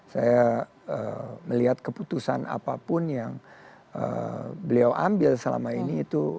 saya melihat keputusan apapun yang beliau ambil selama ini itu